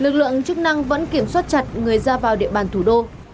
lực lượng chức năng vẫn kiểm soát chặt người ra vào địa bàn thủ đô